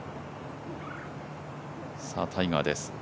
タイガーです。